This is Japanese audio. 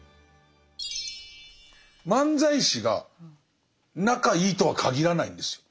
漫才師が仲いいとはかぎらないんですよ。